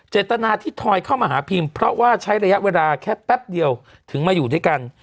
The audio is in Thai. เจตนาที่ทอยเข้ามาหาพิมเพราะว่าใช้ระยะเวลาแค่แป๊บเดียวถึงมาอยู่ด้วยกัน